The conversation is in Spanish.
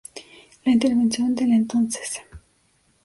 La intervención del entonces Pte.